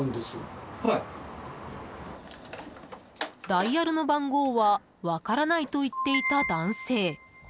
ダイヤルの番号は分からないと言っていた男性。